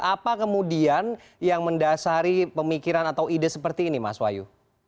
apa kemudian yang mendasari pemikiran atau ide seperti ini mas wahyu